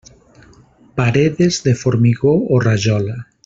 Paredes de formigó o rajola.